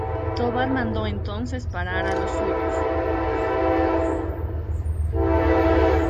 Tovar mandó entonces parar a los suyos.